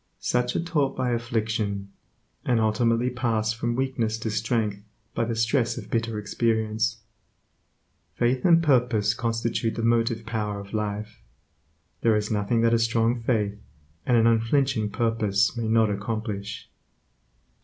Such are taught by affliction, and ultimately pass from weakness to strength by the stress of bitter experience. Faith and purpose constitute the motive power of life. There is nothing that a strong faith and an unflinching purpose may not accomplish.